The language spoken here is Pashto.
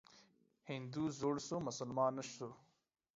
هندو زوړ سو ، مسلمان نه سو.